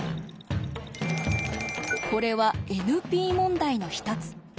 これはＮＰ問題の一つ。